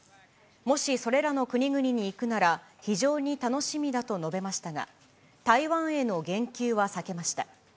もしそれらの国々に行くなら、非常に楽しみだと述べましたが、台湾への言及は避けました。